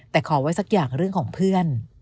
แต่ขอไว้สักอย่างเรื่องของเพื่อน